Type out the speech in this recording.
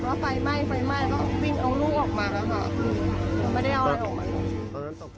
แล้วก็สักครั้งหนึ่งหนูก็ห่วงเหมือนกับลูกมาตามใชท่ามกาบ้านหนูก็เปิดประตูออกไป